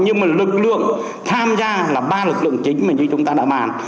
nhưng mà lực lượng tham gia là ba lực lượng chính mà như chúng ta đã bàn